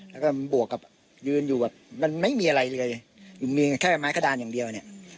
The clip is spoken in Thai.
แล้วก็บวกกับยืนอยู่แบบมันไม่มีอะไรเลยมีแค่ไม้กระดานอย่างเดียวเนี่ย